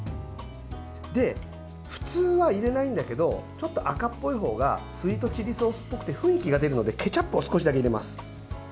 で、普通は入れないんだけどちょっと赤っぽいほうがスイートチリソースっぽくて雰囲気が出るのでケチャップを少しだけ入れます。